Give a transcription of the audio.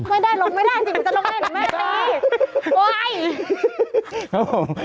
ไม่ได้ลงไม่ได้จริงวันนี้แม่จะลงให้นะ